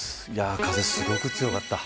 風、すごく強かった。